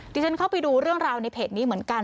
ที่ฉันเข้าไปดูเรื่องราวในเพจนี้เหมือนกัน